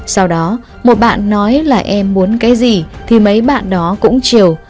sau đó một bạn nói là em muốn cái gì thì mấy bạn đó cũng chiều